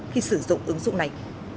khi sử dụng ứng dụng này